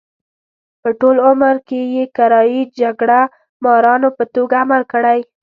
په ټول عمر کې یې کرایي جګړه مارانو په توګه عمل کړی.